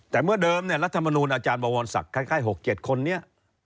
แต่เมื่อเดิมรัฐมนูลอาจารย์บวรศักดิ์คล้าย๖๗คนนี้